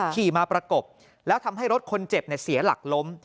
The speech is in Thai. ขี่มาประกบแล้วทำให้รถคนเจ็บเสียหลักล้ม